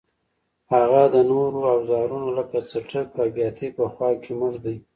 هغه د نورو اوزارونو لکه څټک او بیاتي په خوا کې مه ږدئ.